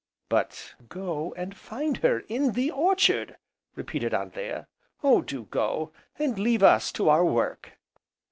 "But " "Go and find her in the orchard!" repeated Anthea, "Oh do go, and leave us to our work."